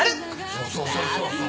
そうそうそうそうそう。